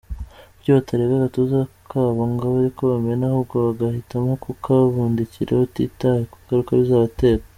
Kuki batarega agatuza kabo ngo ariko bamena , ahubwo bagahitamo kukabundikira batitahe kungaruka bizabatera?